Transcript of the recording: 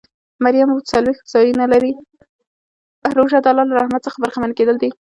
روژه د الله له رحمت څخه برخمن کېدل دي.